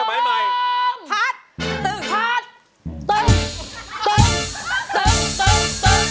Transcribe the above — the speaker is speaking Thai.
อันนี้สมัยใหม่